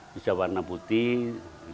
bisa warna putih